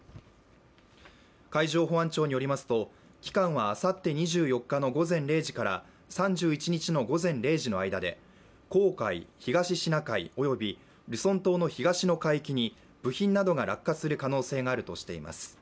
海上保安庁によりますと期間はあさって２４日の午前０時から３１日の午前０時の間で、黄海、東シナ海およびルソン島の東海域に部品などが落下する可能性があるとしています